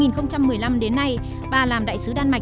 giống như là nhà thứ hai của các bạn